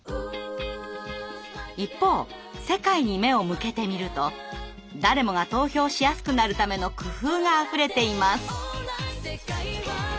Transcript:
一方世界に目を向けてみると誰もが投票しやすくなるための工夫があふれています。